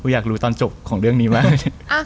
อยากรู้ตอนจบของเรื่องนี้ไหม